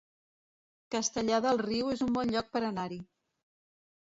Castellar del Riu es un bon lloc per anar-hi